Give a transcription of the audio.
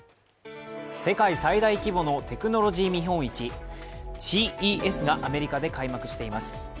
世界最大規模のテクノロジー見本市、ＣＥＳがアメリカで開幕しています。